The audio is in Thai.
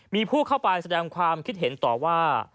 มีผู้เข้าไปแสดงความคิดเห็นต่อว่า